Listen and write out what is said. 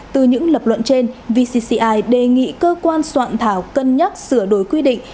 từ những lập luận trên vcci đề nghị cơ quan soạn thảo cân nhắc sửa đổi quy định